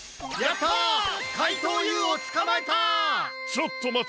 ちょっとまて。